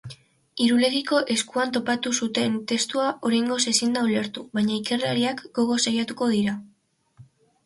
Irulegiko eskuan topatu zuten testua oraingoz ezin da ulertu baina ikerlariak gogoz saiatuko dira.